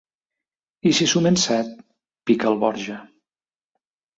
I si sumen set? —pica el Borja.